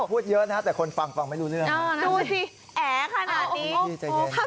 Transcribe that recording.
พูดเยอะนะครับแต่คนฟังฟังไม่รู้เรื่องดูสิแอขนาดนี้โอ้โฮเออ